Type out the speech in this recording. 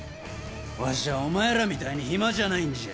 わしゃお前らみたいに暇じゃないんじゃ。